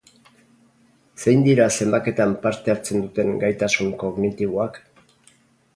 Zein dira zenbaketan parte hartzen duten gaitasun kognitiboak?